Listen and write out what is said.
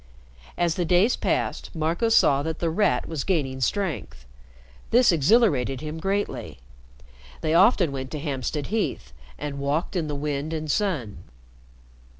As the days passed, Marco saw that The Rat was gaining strength. This exhilarated him greatly. They often went to Hampstead Heath and walked in the wind and sun.